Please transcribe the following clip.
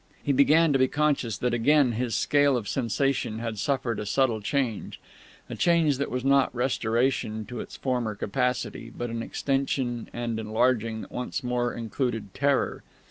He began to be conscious that again his scale of sensation had suffered a subtle change a change that was not restoration to its former capacity, but an extension and enlarging that once more included terror.